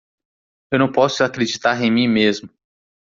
Eu não posso acreditar em mim mesmo.